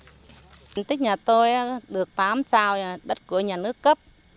diện tích nhà tôi được tám sao đất của nhà nước cấp